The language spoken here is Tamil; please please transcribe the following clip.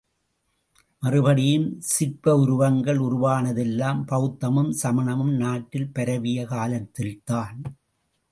மறுபடியும் சிற்ப உருவங்கள் உருவானதெல்லாம் பௌத்தமும் சமணமும் நாட்டில் பரவிய காலத்தில்தான்.